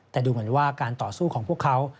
แต่ดูเหมือนว่าการต่อสู้ของพวกเขา